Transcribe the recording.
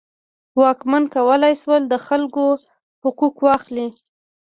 واکمنان کولی شول د خلکو حقوق واخلي.